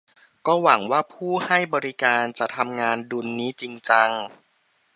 ก็ต้องหวังว่าผู้ให้บริการจะทำงานดุลนี้จริงจัง